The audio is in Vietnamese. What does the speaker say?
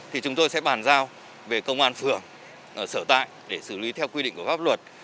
thì chúng tôi sẽ bàn giao về công an phường sở tại để xử lý theo quy định của pháp luật